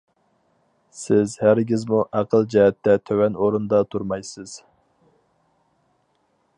سىز ھەرگىزمۇ ئەقىل جەھەتتە تۆۋەن ئورۇندا تۇرمايسىز.